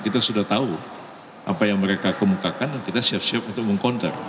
kita sudah tahu apa yang mereka kemukakan dan kita siap siap untuk meng counter